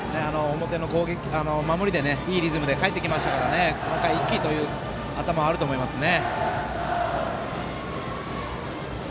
表の守りでいいリズムでかえってきましたからこの回、一気という頭はあるかもしれませんね。